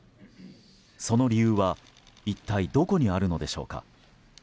その理由は一体どこにあるのでしょうか。